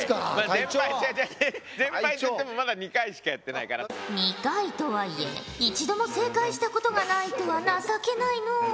違う違う全敗っていっても２回とはいえ一度も正解したことがないとは情けないのう。